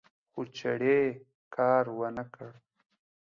خو چړې کار ونکړ